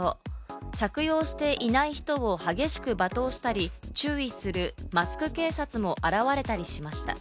着用していない人を激しく罵倒したり注意するマスク警察も現れたりしました。